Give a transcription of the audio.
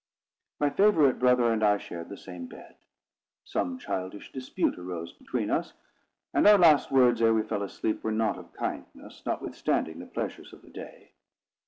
My favourite brother and I shared the same bed. Some childish dispute arose between us; and our last words, ere we fell asleep, were not of kindness, notwithstanding the pleasures of the day.